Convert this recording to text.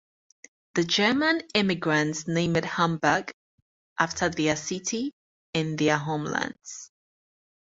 The German immigrants named it Hamburg after the city in their homeland.